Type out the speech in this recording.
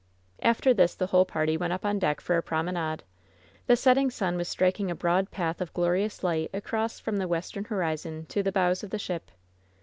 After this the whole party went up on deck for a promenade. The setting sun was striking a broad path of glorious light across from the western horizon to the bows of the ship.